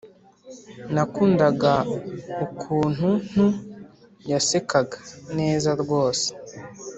nakundaga ukuntuntu yasekaga neza rwose